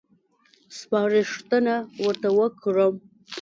سپارښتنه ورته وکړم.